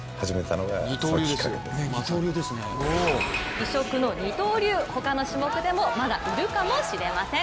異色の二刀流、他の種目でもまだいるかもしれません。